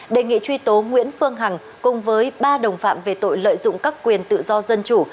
đề nghị truy tố nguyễn phương hằng cùng với ba đồng phạm về tội lợi dụng các quyền tự do dân chủ